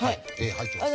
入ってます。